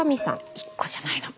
１個じゃないのか。